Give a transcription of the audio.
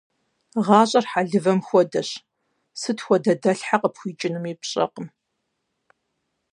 Гъащӏэр хьэлывэм хуэдэщ – сыт хуэдэ дэлъхьэ къыпхуикӏынуми пщӏэркъым.